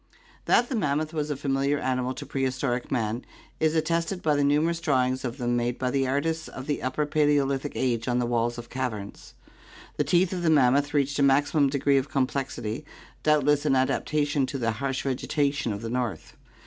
That the mammoth was a familiar animal to prehistoric man is atested by the numerous drawings of them made by the artists of the Upper Paleolithic age on the walls of caverns. The teeth of the mammoth reached a maximum degree of complexity, doubt less an adaptation to the harsh vegetation of the north.